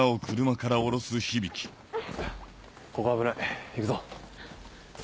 ここは危ない行くぞ。